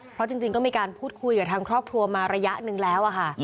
เพราะจริงก็มีการพูดคุยกับทางครอบครัวมาระยะหนึ่งแล้วค่ะ